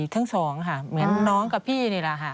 ทั้งสองค่ะเหมือนน้องกับพี่นี่แหละค่ะ